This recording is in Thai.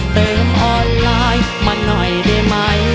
เติมออนไลน์มาหน่อยได้ไหม